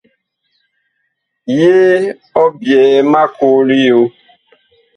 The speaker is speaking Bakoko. Yee ɔ byɛɛ ma koo liyo ?